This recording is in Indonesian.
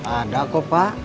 ada kok pak